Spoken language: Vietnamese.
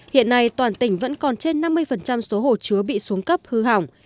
hiện nay toàn tỉnh vẫn còn trên năm mươi số hồ chứa bị xuống cấp hư hỏng